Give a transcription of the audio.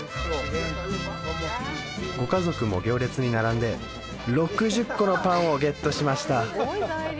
ご家族も行列に並んで６０個のパンをゲットしました